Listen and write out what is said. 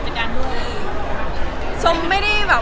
ไปเล่นด้วยไปดูกิจกรรมด้วย